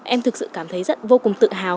em thực sự cảm thấy rất vô cùng tự hào